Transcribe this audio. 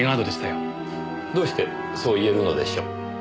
どうしてそう言えるのでしょう？